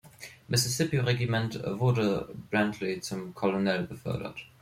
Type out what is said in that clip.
Mississippi-Regiment wurde Brantley zum Colonel befördert.